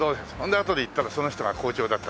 あとで行ったらその人が校長だった。